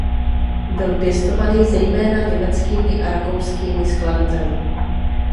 Byl pěstovaný zejména německými a rakouskými skladateli.